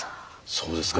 そうですか。